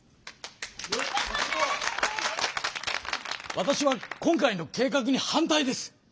わたしは今回の計画に反対です！